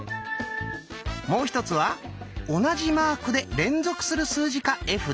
もう一つは同じマークで連続する数字か絵札。